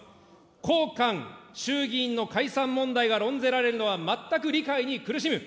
こう間衆議院の解散問題が論ぜられるのは、全く理解に苦しむ。